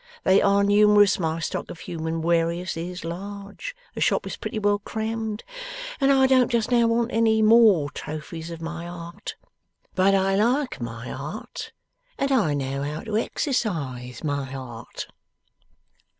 They are numerous, my stock of human warious is large, the shop is pretty well crammed, and I don't just now want any more trophies of my art. But I like my art, and I know how to exercise my art.